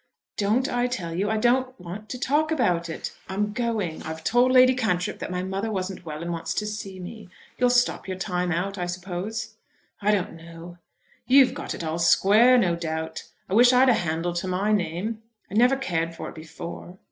"Don't I tell you I don't want to talk about it? I'm going. I've told Lady Cantrip that my mother wasn't well and wants to see me. You'll stop your time out, I suppose?" "I don't know." "You've got it all square, no doubt. I wish I'd a handle to my name. I never cared for it before."